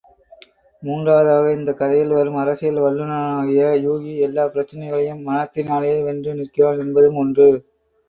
மூன்றாவதாக இந்தக் கதையில் வரும் அரசியல் வல்லுநனாகிய யூகி, எல்லாப் பிரச்சினைகளையும் மனத்தினாலேயே வென்று நிற்கிறான் என்பதும் ஒன்று.